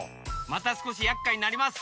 またすこしやっかいになります。